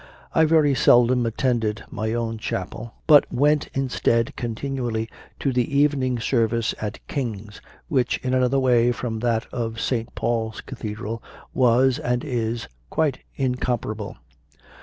I very seldom attended my own chapel, but went instead continually to the evening service at King s, which, in another way from that of St. Paul s Cathedral, was, and is, quite incomparable.